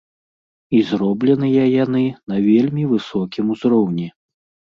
І зробленыя яны на вельмі высокім узроўні.